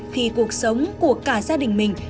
khi cuộc sống của cả gia đình mình